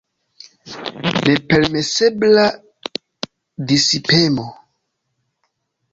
Nepermesebla disipemo.